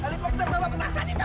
lepok terbawa petasan itu